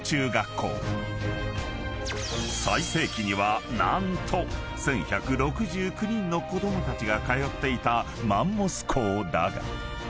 ［最盛期には何と１，１６９人の子供たちが通っていたマンモス校だが］